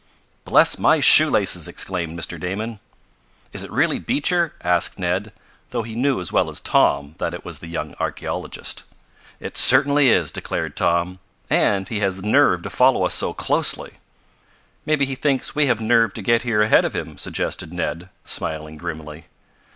"Bless my shoe laces!" exclaimed Mr. Damon. "Is it really Beecher?" asked Ned, though he knew as well as Tom that it was the young archaeologist. "It certainly is!" declared Tom. "And he has nerve to follow us so closely!" "Maybe he thinks we have nerve to get here ahead of him," suggested Ned, smiling grimly.